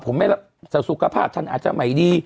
ผมไม่รับสุขภาพท่านอาจจะไม่ดี